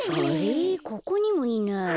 ここにもいない。